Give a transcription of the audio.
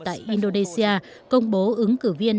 tại indonesia công bố ứng cử viên